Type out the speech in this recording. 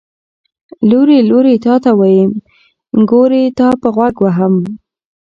ـ لورې لورې تاته ويم، نګورې تاپه غوږ وهم.